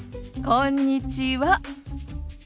こんにちは。